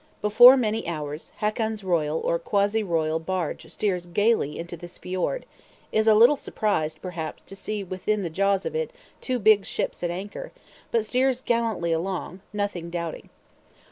Before many hours, Hakon's royal or quasi royal barge steers gaily into this fjord; is a little surprised, perhaps, to see within the jaws of it two big ships at anchor, but steers gallantly along, nothing doubting.